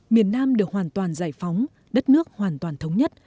miền nam được hoàn toàn giải phóng đất nước hoàn toàn thống nhất